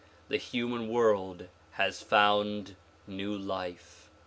The human world has found new life.